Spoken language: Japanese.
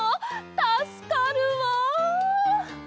たすかるわ！